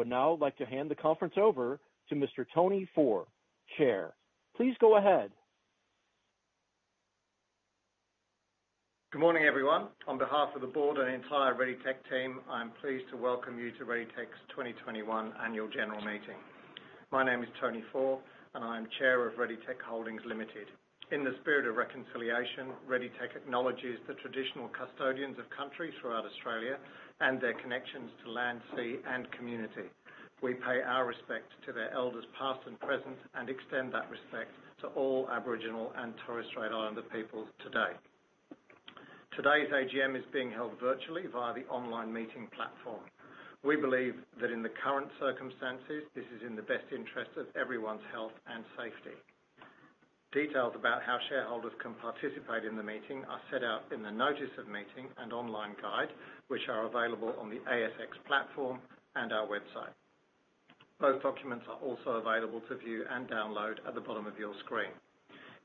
I would now like to hand the conference over to Mr. Tony Faure, Chair. Please go ahead. Good morning, everyone. On behalf of the board and the entire ReadyTech team, I'm pleased to welcome you to ReadyTech's 2021 annual general meeting. My name is Tony Faure, and I'm Chair of ReadyTech Holdings Limited. In the spirit of reconciliation, ReadyTech acknowledges the traditional custodians of countries throughout Australia and their connections to land, sea, and community. We pay our respect to their elders, past and present, and extend that respect to all Aboriginal and Torres Strait Islander peoples today. Today's AGM is being held virtually via the online meeting platform. We believe that in the current circumstances, this is in the best interest of everyone's health and safety. Details about how shareholders can participate in the meeting are set out in the notice of meeting and online guide, which are available on the ASX platform and our website. Both documents are also available to view and download at the bottom of your screen.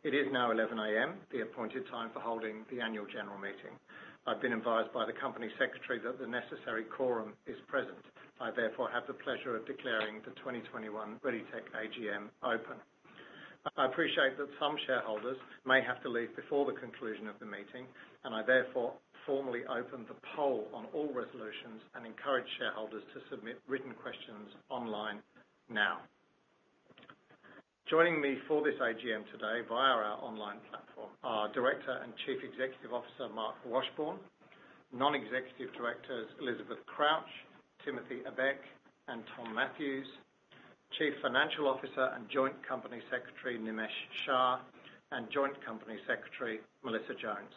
It is now 11:00 A.M., the appointed time for holding the annual general meeting. I've been advised by the company secretary that the necessary quorum is present. I, therefore, have the pleasure of declaring the 2021 ReadyTech AGM open. I appreciate that some shareholders may have to leave before the conclusion of the meeting, and I therefore formally open the poll on all resolutions and encourage shareholders to submit written questions online now. Joining me for this AGM today via our online platform are Director and Chief Executive Officer, Marc Washbourne, Non-Executive Directors, Elizabeth Crouch, Timothy Ebbeck, and Tom Matthews, Chief Financial Officer and Joint Company Secretary, Nimesh Shah, and Joint Company Secretary, Melissa Jones.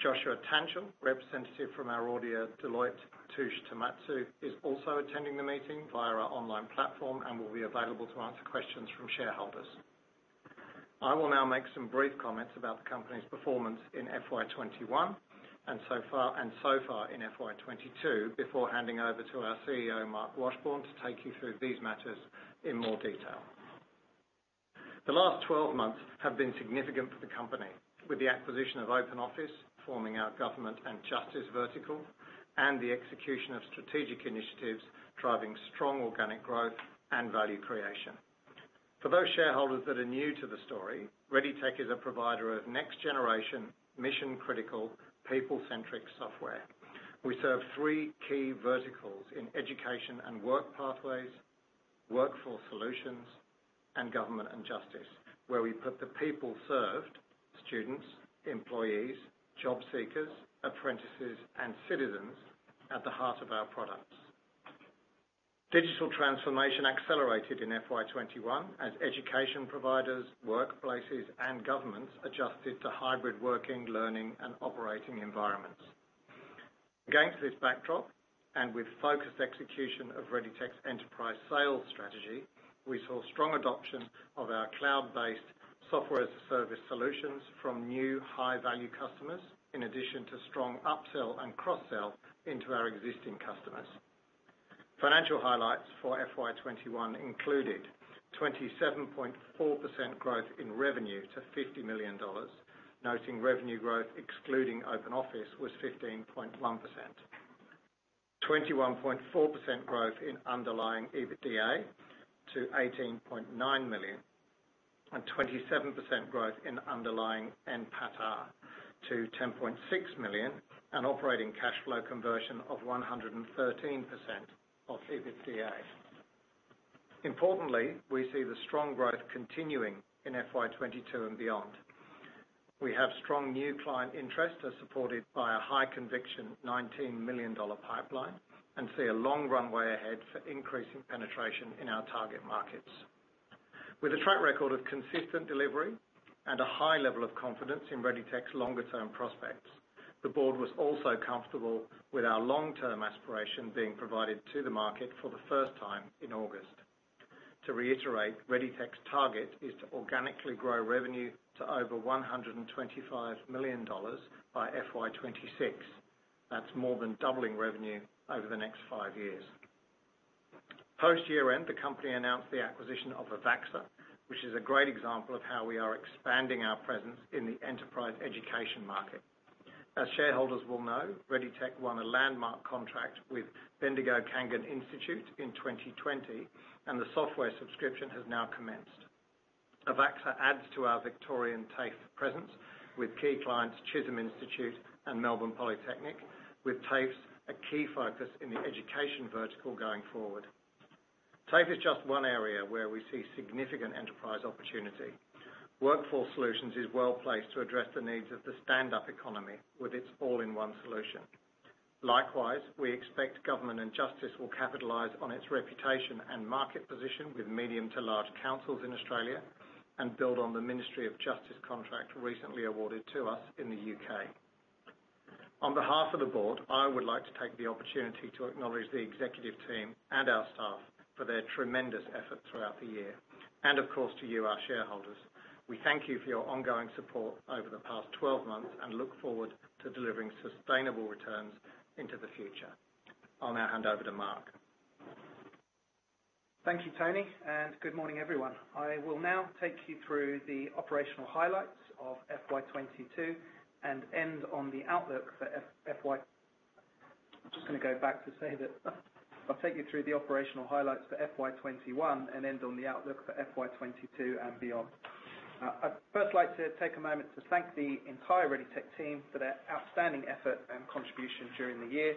Joshua Tangen, representative from our auditor, Deloitte Touche Tohmatsu, is also attending the meeting via our online platform and will be available to answer questions from shareholders. I will now make some brief comments about the company's performance in FY 2021, and so far in FY 2022, before handing over to our CEO, Marc Washbourne, to take you through these matters in more detail. The last 12 months have been significant for the company with the acquisition of Open Office, forming our government and justice vertical, and the execution of strategic initiatives driving strong organic growth and value creation. For those shareholders that are new to the story, ReadyTech is a provider of next-generation, mission-critical, people-centric software. We serve three key verticals in education and work pathways, workforce solutions, and government and justice, where we put the people served, students, employees, job seekers, apprentices, and citizens at the heart of our products. Digital transformation accelerated in FY 2021 as education providers, workplaces, and governments adjusted to hybrid working, learning and operating environments. Against this backdrop, and with focused execution of ReadyTech's enterprise sales strategy, we saw strong adoption of our cloud-based SaaS solutions from new high-value customers, in addition to strong upsell and cross-sell into our existing customers. Financial highlights for FY 2021 included 27.4% growth in revenue to 50 million dollars, noting revenue growth excluding Open Office was 15.1%. 21.4% growth in underlying EBITDA to 18.9 million, and 27% growth in underlying NPATA to 10.6 million, and operating cash flow conversion of 113% of EBITDA. Importantly, we see the strong growth continuing in FY 2022 and beyond. We have strong new client interest as supported by a high conviction 19 million dollar pipeline and see a long runway ahead for increasing penetration in our target markets. With a track record of consistent delivery and a high level of confidence in ReadyTech's longer-term prospects, the board was also comfortable with our long-term aspiration being provided to the market for the first time in August. To reiterate, ReadyTech's target is to organically grow revenue to over 125 million dollars by FY 2026. That's more than doubling revenue over the next five years. Post-year-end, the company announced the acquisition of AVAXA, which is a great example of how we are expanding our presence in the enterprise education market. As shareholders will know, ReadyTech won a landmark contract with Bendigo Kangan Institute in 2020, and the software subscription has now commenced. AVAXA adds to our Victorian TAFE presence with key clients, Chisholm Institute and Melbourne Polytechnic, with TAFE as a key focus in the education vertical going forward. TAFE is just one area where we see significant enterprise opportunity. Workforce Solutions is well-placed to address the needs of the startup economy with its all-in-one solution. Likewise, we expect Government and Justice will capitalize on its reputation and market position with medium to large councils in Australia and build on the Ministry of Justice contract recently awarded to us in the U.K. On behalf of the board, I would like to take the opportunity to acknowledge the executive team and our staff for their tremendous effort throughout the year. Of course, to you, our shareholders. We thank you for your ongoing support over the past 12 months and look forward to delivering sustainable returns into the future. I'll now hand over to Mark. Thank you, Tony, and good morning, everyone. I'll take you through the operational highlights for FY 2021 and end on the outlook for FY 2022 and beyond. I'd first like to take a moment to thank the entire ReadyTech team for their outstanding effort and contribution during the year.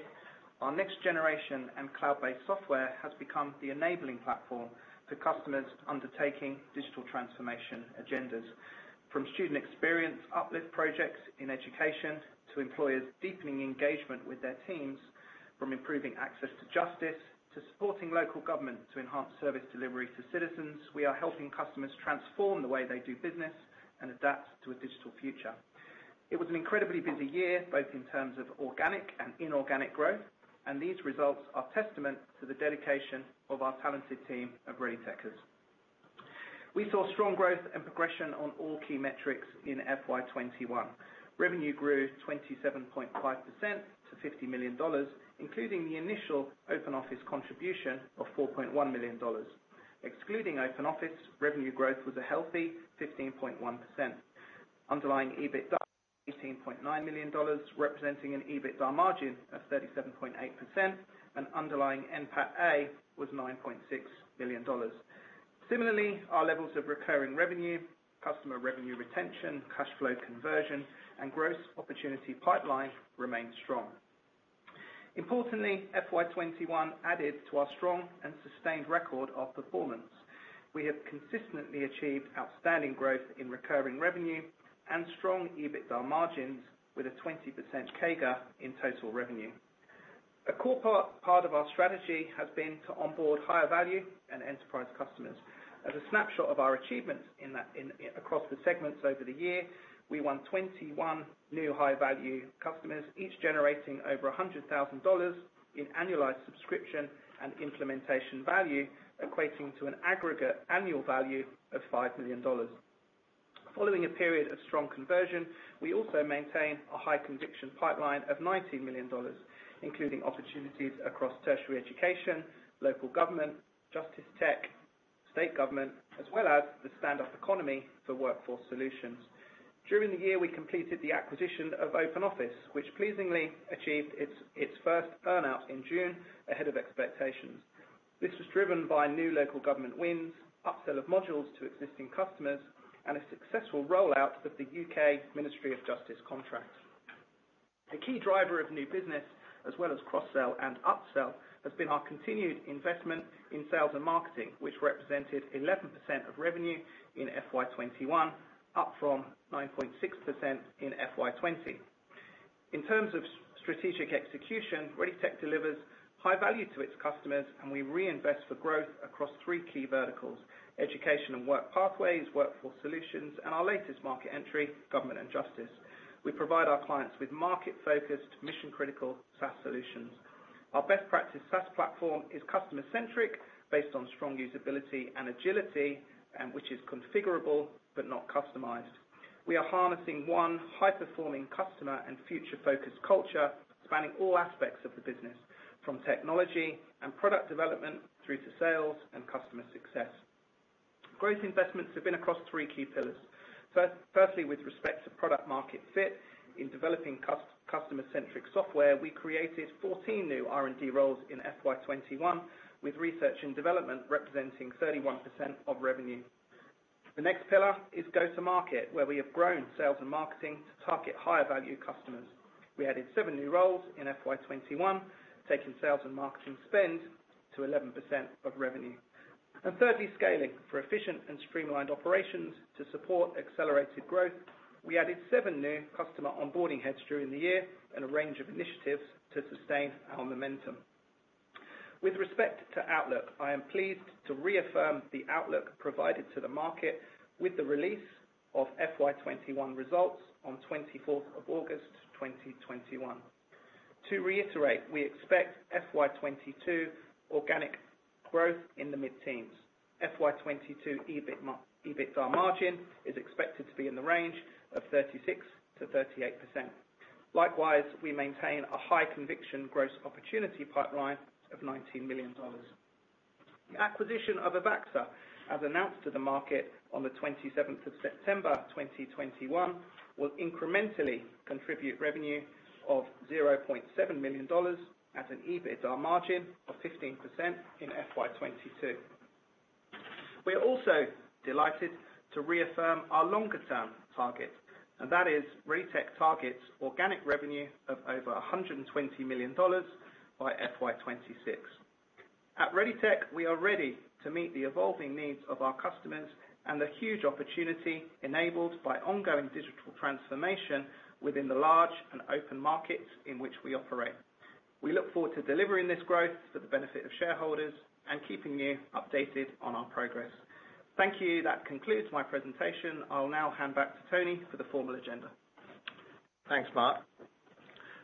Our next generation and cloud-based software has become the enabling platform to customers undertaking digital transformation agendas. From student experience, uplift projects in education, to employers deepening engagement with their teams, from improving access to justice, to supporting local government to enhance service delivery to citizens, we are helping customers transform the way they do business and adapt to a digital future. It was an incredibly busy year, both in terms of organic and inorganic growth, and these results are testament to the dedication of our talented team of ReadyTechers. We saw strong growth and progression on all key metrics in FY 2021. Revenue grew 27.5% to 50 million dollars, including the initial Open Office contribution of 4.1 million dollars. Excluding Open Office, revenue growth was a healthy 15.1%. Underlying EBITDA, 18.9 million dollars, representing an EBITDA margin of 37.8%, and underlying NPATA was 9.6 million dollars. Similarly, our levels of recurring revenue, customer revenue retention, cash flow conversion, and gross opportunity pipeline remain strong. Importantly, FY 2021 added to our strong and sustained record of performance. We have consistently achieved outstanding growth in recurring revenue and strong EBITDA margins with a 20% CAGR in total revenue. A core part of our strategy has been to onboard higher value and enterprise customers. As a snapshot of our achievements in that across the segments over the year, we won 21 new high value customers, each generating over 100,000 dollars in annualized subscription and implementation value, equating to an aggregate annual value of 5 million dollars. Following a period of strong conversion, we also maintain a high conviction pipeline of 19 million dollars, including opportunities across tertiary education, local government, justice tech, state government, as well as the startup economy for workforce solutions. During the year, we completed the acquisition of Open Office, which pleasingly achieved its first earn-out in June ahead of expectations. This was driven by new local government wins, upsell of modules to existing customers, and a successful rollout of the U.K. Ministry of Justice contract. A key driver of new business as well as cross-sell and upsell has been our continued investment in sales and marketing, which represented 11% of revenue in FY 2021, up from 9.6% in FY 2020. In terms of strategic execution, ReadyTech delivers high value to its customers, and we reinvest for growth across three key verticals: education and work pathways, workforce solutions, and our latest market entry, government and justice. We provide our clients with market-focused, mission-critical SaaS solutions. Our best practice SaaS platform is customer-centric, based on strong usability and agility, and which is configurable but not customized. We are harnessing one high-performing customer and future-focused culture spanning all aspects of the business, from technology and product development through to sales and customer success. Growth investments have been across three key pillars. First, with respect to product market fit. In developing customer centric software, we created 14 new R&D roles in FY 2021, with research and development representing 31% of revenue. The next pillar is go to market, where we have grown sales and marketing to target higher value customers. We added seven new roles in FY 2021, taking sales and marketing spend to 11% of revenue. Thirdly, scaling. For efficient and streamlined operations to support accelerated growth, we added seven new customer onboarding heads during the year and a range of initiatives to sustain our momentum. With respect to outlook, I am pleased to reaffirm the outlook provided to the market with the release of FY 2021 results on 24th of August 2021. To reiterate, we expect FY 2022 organic growth in the mid-teens. FY 2022 EBITDA margin is expected to be in the range of 36%-38%. Likewise, we maintain a high conviction gross opportunity pipeline of 19 million dollars. The acquisition of AVAXA, as announced to the market on the twenty-seventh of September 2021, will incrementally contribute revenue of 0.7 million dollars at an EBITDA margin of 15% in FY 2022. We are also delighted to reaffirm our longer term target, and that is ReadyTech targets organic revenue of over 120 million dollars by FY 2026. At ReadyTech, we are ready to meet the evolving needs of our customers and the huge opportunity enabled by ongoing digital transformation within the large and open markets in which we operate. We look forward to delivering this growth for the benefit of shareholders and keeping you updated on our progress. Thank you. That concludes my presentation. I'll now hand back to Tony for the formal agenda. Thanks, Mark.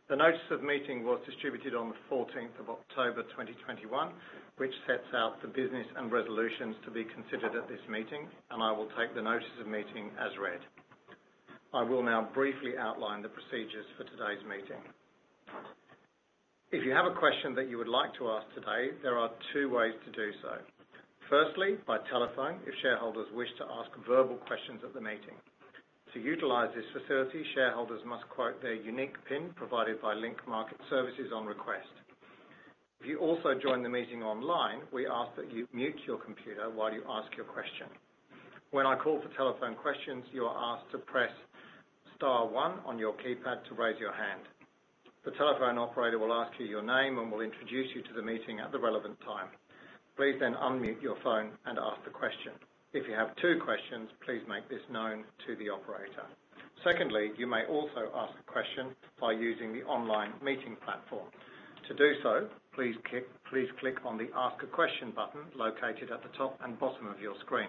The notice of meeting was distributed on the 14th of October 2021, which sets out the business and resolutions to be considered at this meeting, and I will take the notice of meeting as read. I will now briefly outline the procedures for today's meeting. If you have a question that you would like to ask today, there are two ways to do so. Firstly, by telephone, if shareholders wish to ask verbal questions at the meeting. To utilize this facility, shareholders must quote their unique pin provided by Link Market Services on request. If you also join the meeting online, we ask that you mute your computer while you ask your question. When I call for telephone questions, you are asked to press star one on your keypad to raise your hand. The telephone operator will ask you your name and will introduce you to the meeting at the relevant time. Please then unmute your phone and ask the question. If you have two questions, please make this known to the operator. Secondly, you may also ask a question by using the online meeting platform. To do so, please click on the Ask a Question button located at the top and bottom of your screen.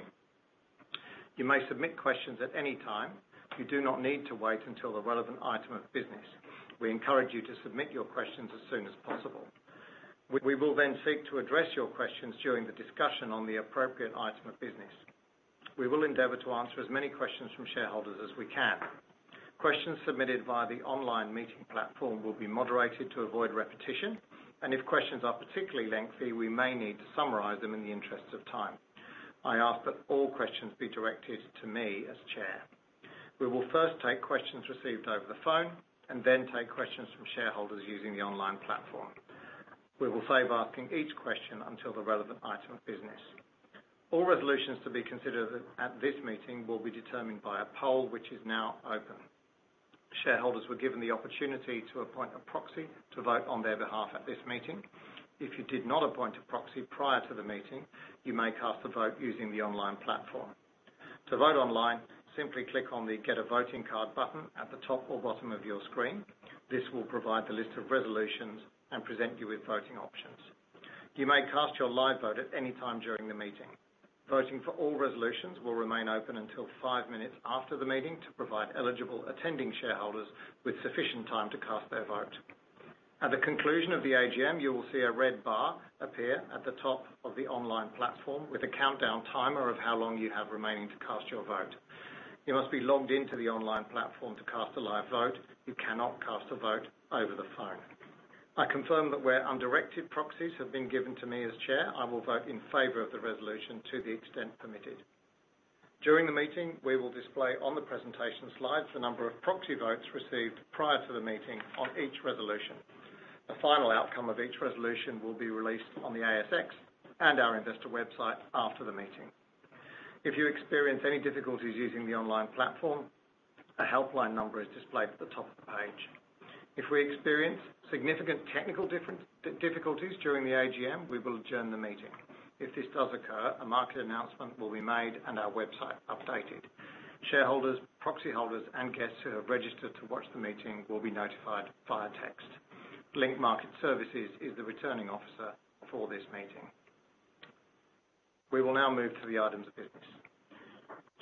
You may submit questions at any time. You do not need to wait until the relevant item of business. We encourage you to submit your questions as soon as possible. We will then seek to address your questions during the discussion on the appropriate item of business. We will endeavor to answer as many questions from shareholders as we can. Questions submitted via the online meeting platform will be moderated to avoid repetition, and if questions are particularly lengthy, we may need to summarize them in the interest of time. I ask that all questions be directed to me as Chair. We will first take questions received over the phone and then take questions from shareholders using the online platform. We will favor asking each question until the relevant item of business. All resolutions to be considered at this meeting will be determined by a poll which is now open. Shareholders were given the opportunity to appoint a proxy to vote on their behalf at this meeting. If you did not appoint a proxy prior to the meeting, you may cast a vote using the online platform. To vote online, simply click on the Get a Voting Card button at the top or bottom of your screen. This will provide the list of resolutions and present you with voting options. You may cast your live vote at any time during the meeting. Voting for all resolutions will remain open until five minutes after the meeting to provide eligible attending shareholders with sufficient time to cast their vote. At the conclusion of the AGM, you will see a red bar appear at the top of the online platform with a countdown timer of how long you have remaining to cast your vote. You must be logged into the online platform to cast a live vote. You cannot cast a vote over the phone. I confirm that where undirected proxies have been given to me as Chair, I will vote in favor of the resolution to the extent permitted. During the meeting, we will display on the presentation slides the number of proxy votes received prior to the meeting on each resolution. The final outcome of each resolution will be released on the ASX and our investor website after the meeting. If you experience any difficulties using the online platform, a helpline number is displayed at the top of the page. If we experience significant technical difficulties during the AGM, we will adjourn the meeting. If this does occur, a market announcement will be made and our website updated. Shareholders, proxy holders, and guests who have registered to watch the meeting will be notified via text. Link Market Services is the returning officer for this meeting. We will now move to the items of business.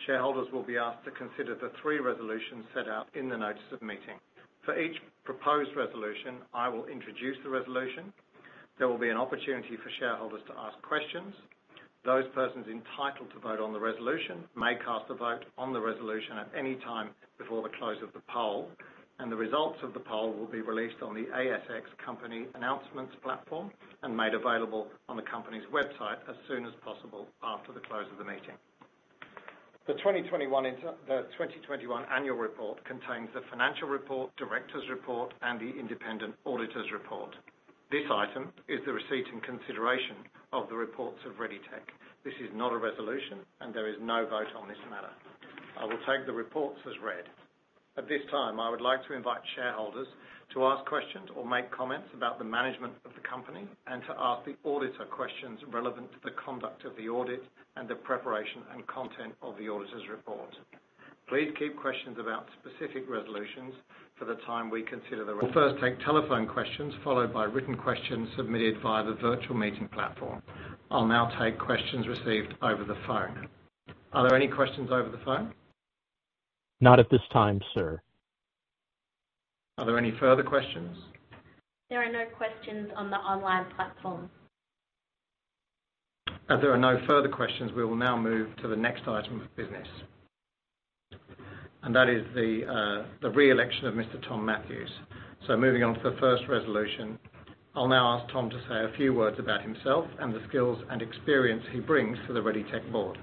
Shareholders will be asked to consider the three resolutions set out in the notice of meeting. For each proposed resolution, I will introduce the resolution. There will be an opportunity for shareholders to ask questions. Those persons entitled to vote on the resolution may cast a vote on the resolution at any time before the close of the poll, and the results of the poll will be released on the ASX company announcements platform and made available on the company's website as soon as possible after the close of the meeting. The 2021 annual report contains the financial report, directors' report, and the independent auditor's report. This item is the receipt and consideration of the reports of ReadyTech. This is not a resolution and there is no vote on this matter. I will take the reports as read. At this time, I would like to invite shareholders to ask questions or make comments about the management of the company and to ask the auditor questions relevant to the conduct of the audit and the preparation and content of the auditor's report. Please keep questions about specific resolutions for the time we consider. We'll first take telephone questions followed by written questions submitted via the virtual meeting platform. I'll now take questions received over the phone. Are there any questions over the phone? Not at this time, sir. Are there any further questions? There are no questions on the online platform. As there are no further questions, we will now move to the next item of business. That is the re-election of Mr. Tom Matthews. Moving on to the first resolution, I'll now ask Tom to say a few words about himself and the skills and experience he brings to the ReadyTech board.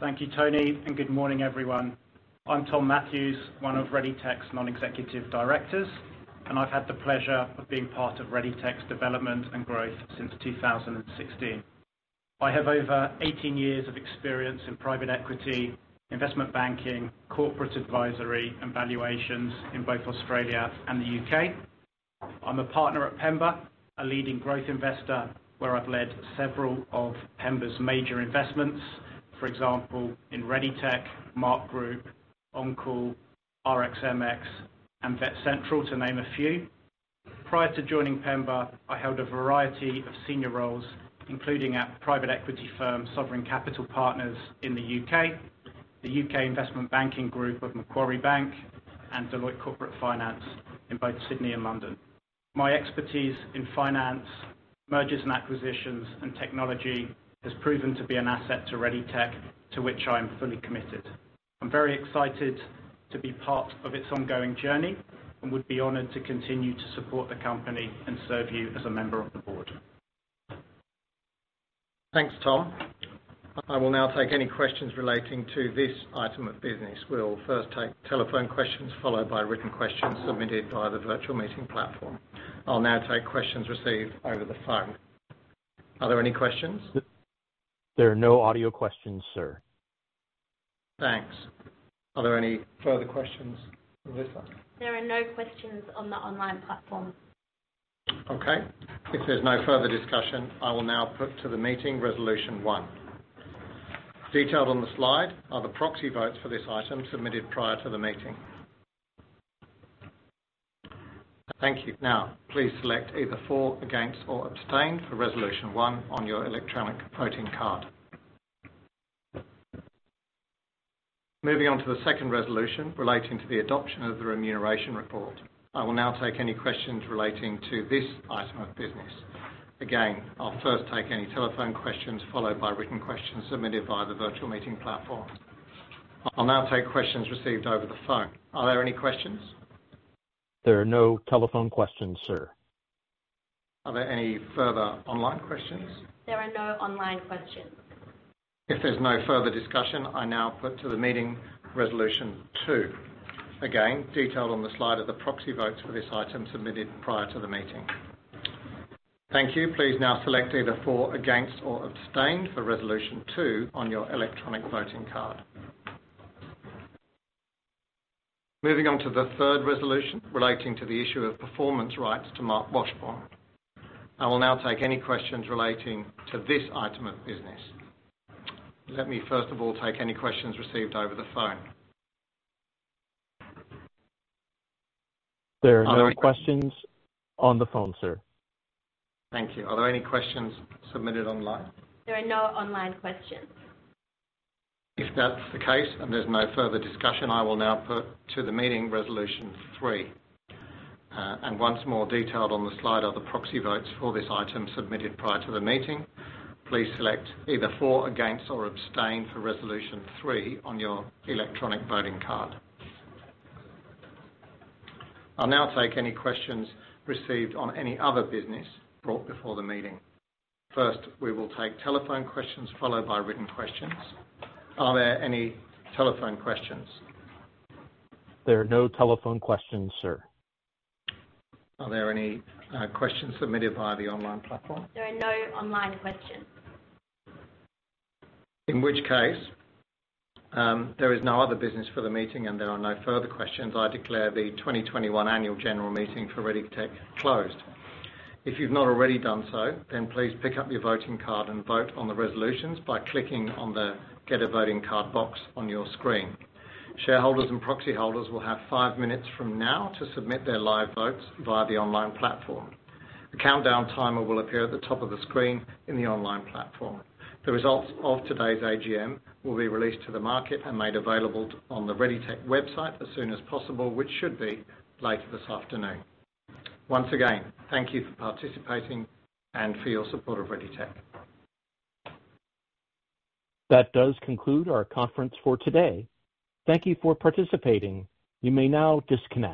Thank you, Tony, and good morning, everyone. I'm Tom Matthews, one of ReadyTech's non-executive directors, and I've had the pleasure of being part of ReadyTech's development and growth since 2016. I have over 18 years of experience in private equity, investment banking, corporate advisory, and valuations in both Australia and the U.K. I'm a partner at Pemba, a leading growth investor, where I've led several of Pemba's major investments, for example, in ReadyTech, Marque Group, ONCALL, RxMx, and Vets Central, to name a few. Prior to joining Pemba, I held a variety of senior roles, including at private equity firm, Sovereign Capital Partners in the U.K., the U.K. Investment Banking Group of Macquarie Bank, and Deloitte Corporate Finance in both Sydney and London. My expertise in finance, mergers and acquisitions and technology has proven to be an asset to ReadyTech, to which I am fully committed. I'm very excited to be part of its ongoing journey, and would be honored to continue to support the company and serve you as a member of the board. Thanks, Tom. I will now take any questions relating to this item of business. We'll first take telephone questions, followed by written questions submitted via the virtual meeting platform. I'll now take questions received over the phone. Are there any questions? There are no audio questions, sir. Thanks. Are there any further questions, Elisa? There are no questions on the online platform. Okay. If there's no further discussion, I will now put to the meeting resolution one. Detailed on the slide are the proxy votes for this item submitted prior to the meeting. Thank you. Now, please select either for, against, or abstain for resolution one on your electronic voting card. Moving on to the second resolution relating to the adoption of the remuneration report. I will now take any questions relating to this item of business. Again, I'll first take any telephone questions, followed by written questions submitted via the virtual meeting platform. I'll now take questions received over the phone. Are there any questions? There are no telephone questions, sir. Are there any further online questions? There are no online questions. If there's no further discussion, I now put to the meeting resolution two. Again, detailed on the slide are the proxy votes for this item submitted prior to the meeting. Thank you. Please now select either for, against, or abstain for resolution two on your electronic voting card. Moving on to the third resolution relating to the issue of performance rights to Marc Washbourne. I will now take any questions relating to this item of business. Let me first of all take any questions received over the phone. There are no questions on the phone, sir. Thank you. Are there any questions submitted online? There are no online questions. If that's the case and there's no further discussion, I will now put to the meeting resolution three. Once more, detailed on the slide are the proxy votes for this item submitted prior to the meeting. Please select either for, against, or abstain for resolution three on your electronic voting card. I'll now take any questions received on any other business brought before the meeting. First, we will take telephone questions, followed by written questions. Are there any telephone questions? There are no telephone questions, sir. Are there any questions submitted via the online platform? There are no online questions. In which case, there is no other business for the meeting and there are no further questions. I declare the 2021 annual general meeting for ReadyTech closed. If you've not already done so, then please pick up your voting card and vote on the resolutions by clicking on the Get a voting card box on your screen. Shareholders and proxy holders will have five minutes from now to submit their live votes via the online platform. The countdown timer will appear at the top of the screen in the online platform. The results of today's AGM will be released to the market and made available on the ReadyTech website as soon as possible, which should be later this afternoon. Once again, thank you for participating and for your support of ReadyTech. That does conclude our conference for today. Thank you for participating. You may now disconnect.